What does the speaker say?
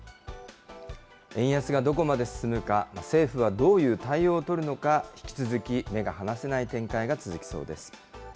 円安がどこまで進むか、政府はどういう対応を取るのか、引き続き目が離せない展開が続きそうです。